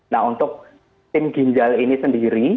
nah untuk tim ginjal ini sendiri